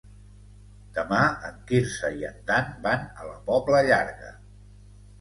Demà en Quirze i en Dan van a la Pobla Llarga.